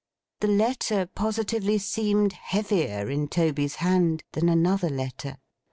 The letter positively seemed heavier in Toby's hand, than another letter.